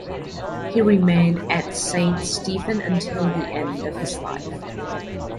He remained at St Stephan until the end of his life.